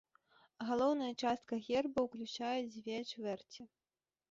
Галоўная частка герба ўключае дзве чвэрці.